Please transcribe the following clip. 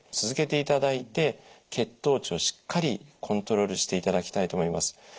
続けていただいて血糖値をしっかりコントロールしていただきたいと思います。